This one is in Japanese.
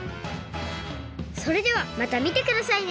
それではまたみてくださいね！